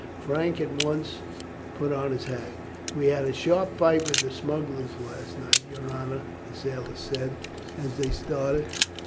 Frank at once put on his hat. "We had a sharp fight with the smugglers last night, your honour," the sailor said as they started.